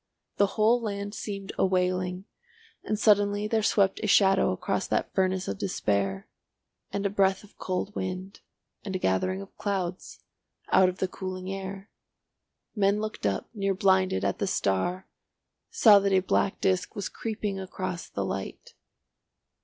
The whole land seemed a wailing and suddenly there swept a shadow across that furnace of despair, and a breath of cold wind, and a gathering of clouds, out of the cooling air. Men looking up, near blinded, at the star, saw that a black disc was creeping across the light.